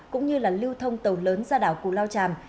cũng như lưu thông tàu lớn ra đảo cù lao tràm